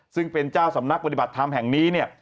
ซึ่งเป็นเจ้าสำนักปฏิบัติธรรมแห่งนี้เนี่ย